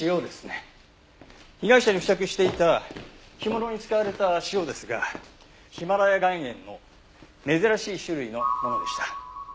被害者に付着していた干物に使われた塩ですがヒマラヤ岩塩の珍しい種類のものでした。